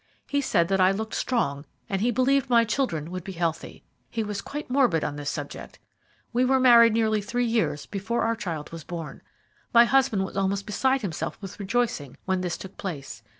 He said that I looked strong, and he believed my children would be healthy. He was quite morbid on this subject. We were married nearly three years before our child was born. My husband was almost beside himself with rejoicing when this took place.